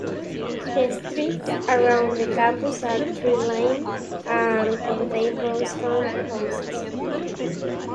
The streets around the campus are tree-lined and contain brownstone houses.